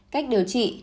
cách điều trị